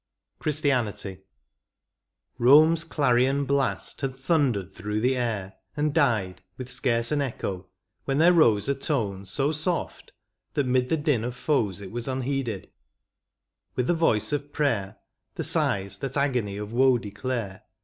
11 CHRISTIANITY. Bome's clarion blast had thundered through the air, And died with scarce an echo, when there rose A tone so soft, that 'mid the din of foes It was unheeded ; with the voice of prayer, The sighs that agony of woe declare.